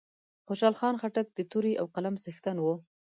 خوشحال خان خټک د تورې او قلم څښتن وو